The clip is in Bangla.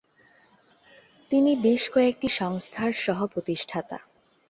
তিনি বেশ কয়েকটি সংস্থার সহ-প্রতিষ্ঠাতা।